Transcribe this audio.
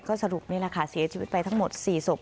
ก็สรุปนี่แหละค่ะเสียชีวิตไปทั้งหมด๔ศพ